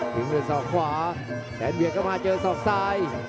ถึงด้วยส่องขวาแสงเบียดเข้ามาเจอส่องซ้าย